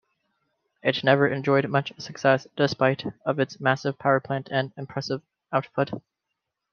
It never enjoyed much success despite of its massive powerplant and impressive output.